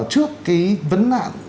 trước cái vấn nạn